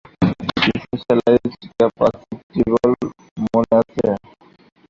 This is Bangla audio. স্পেশালাইজড ক্যাপাসিট্যান্স, মনে আছে?